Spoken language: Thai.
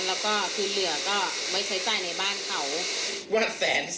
แล้วก็คือเหลือก็ไม่ใช้จ่ายในบ้านเขา